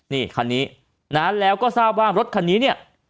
นี่คันนี้นะแล้วก็ทราบว่ารถคันนี้เนี่ย